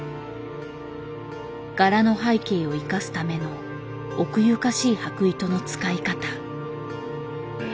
柄の背景を生かすための奥ゆかしい箔糸の使い方。